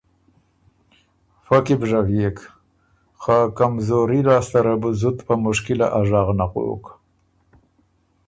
فۀ کی بو ژغيېک، خه کمزوري لاسته ره بو زُت په مشکِله ا ژغ نغوک۔